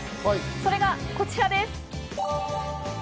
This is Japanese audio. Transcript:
それがこちらです。